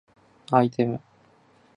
アイテム